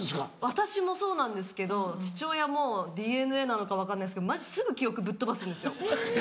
私もそうなんですけど父親もＤＮＡなのか分かんないんですけどマジすぐ記憶ぶっ飛ばすんですよ。